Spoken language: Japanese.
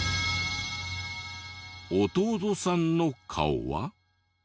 弟さんの顔は。